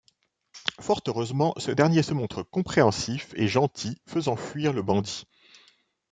Fort heureusement, ce dernier se montre compréhensif et gentil faisant fuir le bandit.